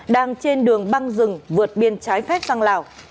đang trên đường băng rừng vượt biên trái phép sang lào